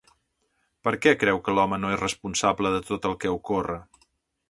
Per què creu que l'home no és responsable de tot el que ocorre?